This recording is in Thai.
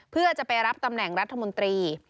เพื่อจะไปรับตำแหน่งรัฐมนตรี